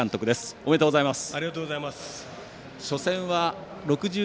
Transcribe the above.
おめでとうございます。